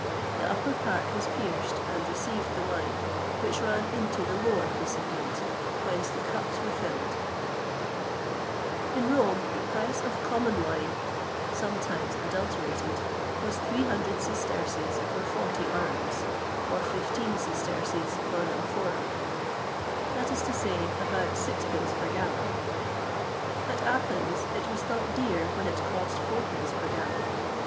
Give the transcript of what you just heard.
The upper part was pierced, and received the wine, which ran into the lower recipient, whence the cups were filled.[XXVIII 132] In Rome the price of common wine sometimes adulterated[XXVIII 133] was 300 sesterces for 40 urns, or 15 sesterces for an amphora; that is to say, about sixpence per gallon.[XXVIII 134] At Athens it was thought dear when it cost fourpence per gallon.